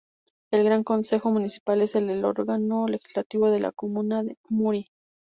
El Gran Concejo Municipal es el órgano legislativo de la comuna de Muri.